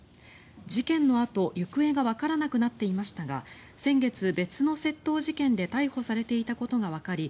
事件のあと、行方がわからなくなっていましたが先月、別の窃盗事件で逮捕されていたことがわかり